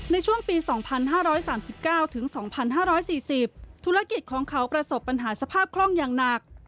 ในช่วงปี๒๕๓๙ถึง๒๕๔๐ธุรกิจของเขาประสบปัญหาสภาพคล่องอย่างหนัก